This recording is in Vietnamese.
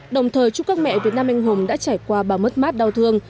đồng thời chúc các mẹ việt nam anh hùng đã trải qua bao mất mát đau thương